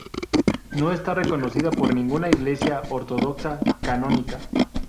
No está reconocida por ninguna "Iglesia ortodoxa" canónica.